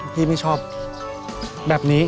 พี่ไม่ชอบแบบนี้